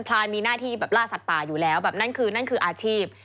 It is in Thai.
พลานมีหน้าที่แบบล่าสัตว์ป่าอยู่แล้วนั่นคืออาชีพ